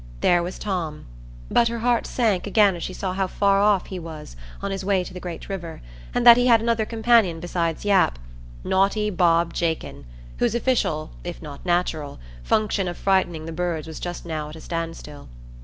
There was Tom; but her heart sank again as she saw how far off he was on his way to the great river, and that he had another companion besides Yap,—naughty Bob Jakin, whose official, if not natural, function of frightening the birds was just now at a standstill.